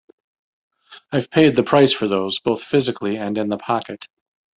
I've paid the price for those, both physically and in the pocket.